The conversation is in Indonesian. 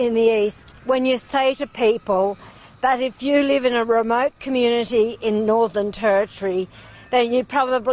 ketika anda berkata kepada orang orang bahwa jika anda tinggal di komunitas luar negara di negara barat